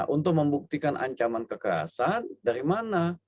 untuk membuktikan ancaman kekerasan dari mana